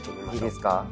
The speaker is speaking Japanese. いいですか？